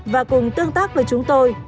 và cùng tương tác với chúng tôi